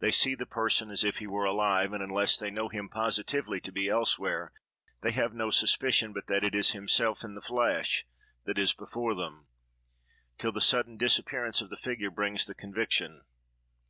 They see the person as if he were alive, and unless they know him positively to be elsewhere, they have no suspicion but that it is himself, in the flesh, that is before them, till the sudden disappearance of the figure brings the conviction.